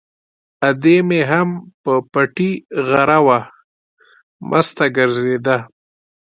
ادې مې هم په پټي غره وه، مسته ګرځېده.